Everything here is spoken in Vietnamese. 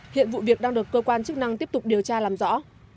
hiện vụ việc đang được cơ quan chức năng tiếp tục điều tra làm rõ